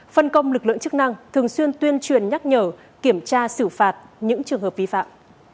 phân công lực lượng chức năng thường xuyên tuyên truyền nhắc nhở kiểm tra xử phạt những trường hợp vi phạm